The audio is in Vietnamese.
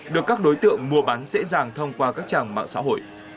được các đối tượng mua bán dễ dàng thông qua các trang mạng xã hội